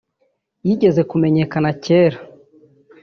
yigeze kumenyekana cyera